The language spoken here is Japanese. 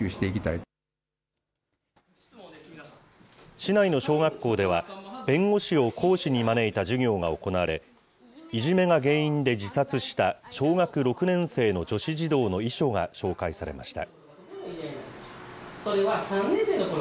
市内の小学校では、弁護士を講師に招いた授業が行われ、いじめが原因で自殺した小学６年生の女子児童の遺書が紹介されました。